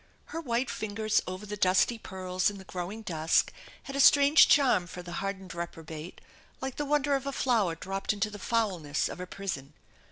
Her white fingers over the dusty pearls in the growing dusk had a strange charm for the hardened reprobate, like the wonder of a flower dropped into the foulness of a prison.